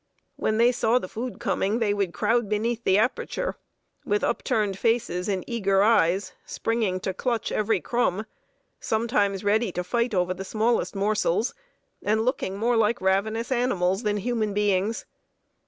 When they saw the food coming, they would crowd beneath the aperture, with upturned faces and eager eyes, springing to clutch every crumb, sometimes ready to fight over the smallest morsels, and looking more like ravenous animals than human beings.